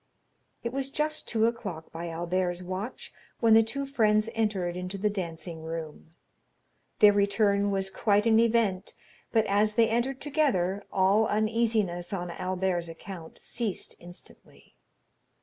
It was just two o'clock by Albert's watch when the two friends entered into the dancing room. Their return was quite an event, but as they entered together, all uneasiness on Albert's account ceased instantly.